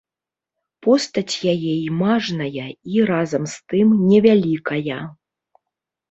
Постаць яе і мажная і, разам з тым, невялікая.